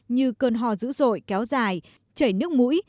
như cơn hò dữ dội kéo dài chảy nước mũi